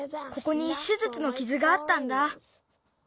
ここに手じゅつのキズがあったんだ。